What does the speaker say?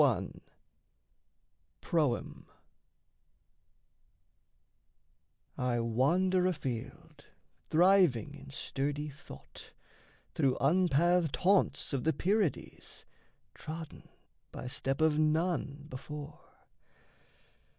BOOK IV PROEM I wander afield, thriving in sturdy thought, Through unpathed haunts of the Pierides, Trodden by step of none before.